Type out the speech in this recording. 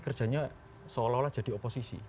kerjanya seolah olah jadi oposisi